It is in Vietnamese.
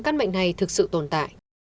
các bệnh này thực sự tồn tại